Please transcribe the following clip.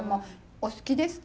お好きですか？